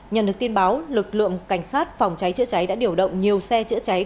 nhận được tin báo lực lượng cảnh sát phòng cháy chữa cháy đã điều động nhiều xe chữa cháy